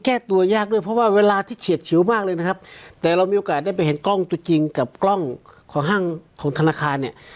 แก้ตัวยากด้วยเพราะว่าเวลาที่เฉียดชิวมากเลยนะครับแต่เรามีโอกาสได้ไปเห็นกล้องตัวจริงกับกล้องของห้างของธนาคารเนี่ย